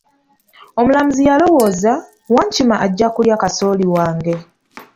Omulamuzi yalowooza, Wankima ajja kulya kasooli wange.